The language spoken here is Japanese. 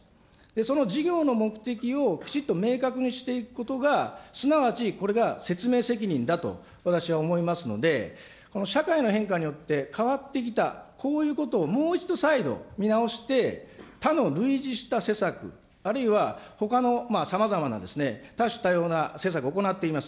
その事業の目的をきちっと明確にしていくことが、すなわちこれが説明責任だと私は思いますので、この社会の変化によって変わってきた、こういうことをもう一度、再度見直して、他の類似した施策、あるいは、ほかのさまざまな多種多様な施策、行っています。